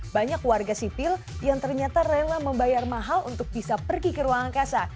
banyak warga sipil yang ternyata rela membayar mahal untuk bisa pergi ke ruang angkasa